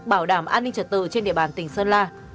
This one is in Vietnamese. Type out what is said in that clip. bảo đảm an ninh trật tự trên địa bàn tỉnh sơn la